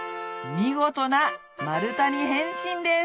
見事な丸太に変身です